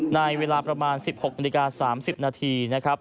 ในเวลาประมาณ๑๖นาฬิกา๓๐นาทีนะครับ